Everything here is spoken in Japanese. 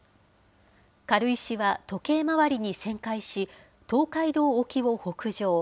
軽石は時計回りに旋回し、東海道沖を北上。